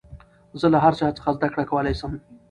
زه له هر چا څخه زدکړه کولاى سم.